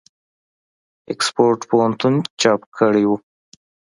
آکسفورډ پوهنتون چاپ کړی وو.